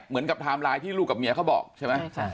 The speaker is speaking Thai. เหมือนกับไทม์ไลน์ที่ลูกกับเมียเขาบอกใช่ไหม